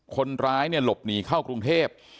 คนร้ายเนี่ยหลบหนีเข้ากรุงเทพ